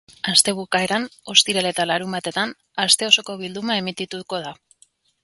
Aste bukaeran, ostiral eta larunbatetan, aste osoko bilduma emitituko da.